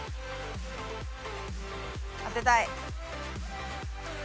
当てたい。